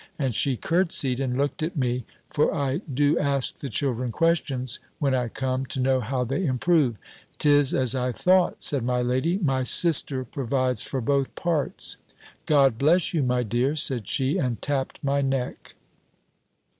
And she curtsey'd and looked at me; for I do ask the children questions, when I come, to know how they improve; "'Tis as I thought," said my lady; "my sister provides for both parts. God bless you, my dear!" said she, and tapped my neck.